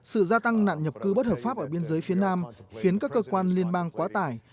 sự gia tăng nạn nhập cư bất hợp pháp ở biên giới phía nam khiến các cơ quan liên bang quá tải